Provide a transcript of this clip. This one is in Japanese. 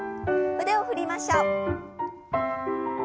腕を振りましょう。